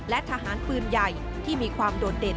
และทหารปืนใหญ่ที่มีความโดดเด่น